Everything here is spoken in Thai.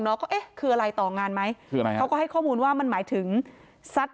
เนาะคืออะไรต่องานไหมเขาก็ให้ข้อมูลว่ามันหมายถึงซัด